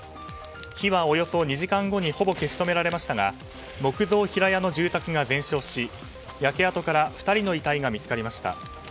火はおよそ２時間後にほぼ消し止められましたが木造平屋の住宅が全焼し焼け跡から２人の遺体が見つかりました。